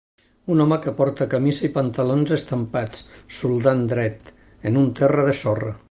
Un home que porta camisa i pantalons estampats soldant dret en un terra de sorra.